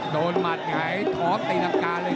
โดนมัดไงถอบติดตามการเลย